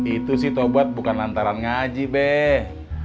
itu sih tobat bukan lantaran ngaji beh